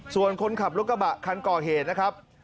ส่วนคนขับรถกระเบ้าคันเกาะเหศนะครับ